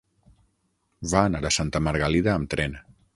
Va anar a Santa Margalida amb tren.